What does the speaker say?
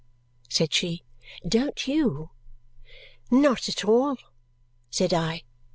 said she. "Don't you?" "Not at all!" said I.